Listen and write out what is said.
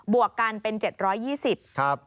บวกกันเป็น๗๒๐บาท